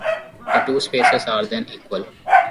The two spaces are then equal.